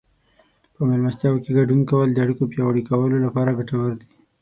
په مېلمستیاوو کې ګډون کول د اړیکو پیاوړي کولو لپاره ګټور دي.